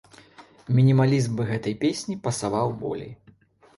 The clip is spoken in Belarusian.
Мінімалізм бы гэтай песні пасаваў болей.